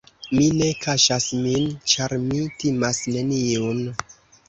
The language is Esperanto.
Mi ne kaŝas min, ĉar mi timas neniun.